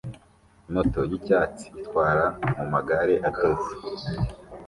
Moto yicyatsi itwarwa mumagare atose